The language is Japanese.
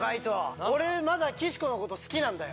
俺まだ岸子のこと好きなんだよ。